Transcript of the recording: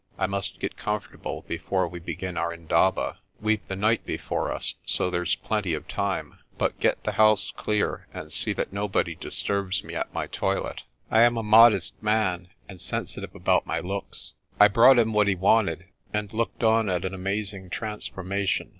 I must get comfortable before we begin our mdaba* We've the night before us, so there's plenty of time. But get the house clear, and see that nobody Council. ARCOLL TELLS A TALE 91 disturbs me at my toilet. I am a modest man, and sensitive about my looks." I brought him what he wanted, and looked on at an amazing transformation.